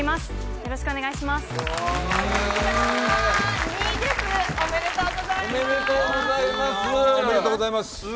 よろしくお願いします。